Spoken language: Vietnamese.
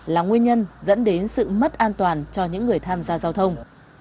là nguyên nhân dẫn đến sự mất an toàn cho những người tham gia giao thông